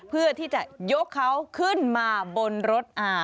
เพื่อที่จะยกเขาขึ้นมาบนรถ